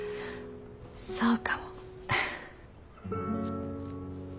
そうかも。